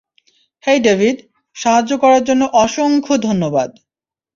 হেই David, সাহায্য করার জন্য অসংখ্য ধন্যবাদ!